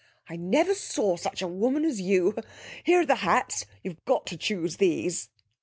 'I never saw such a woman as you! Here are the hats. You've got to choose these.'